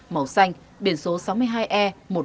màu xanh biển số sáu mươi hai e